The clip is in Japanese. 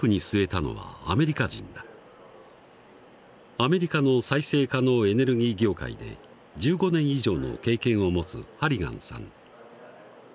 アメリカの再生可能エネルギー業界で１５年以上の経験を持つハリガンさん。